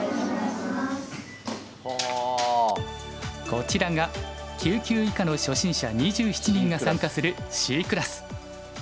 こちらが９級以下の初心者２７人が参加するＣクラス。